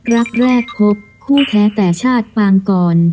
รักแรกพบคู่แท้แต่ชาติปางกร